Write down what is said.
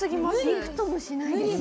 びくともしないです。